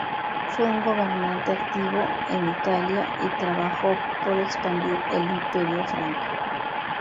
Fue un gobernante activo en Italia y trabajó por expandir el imperio franco.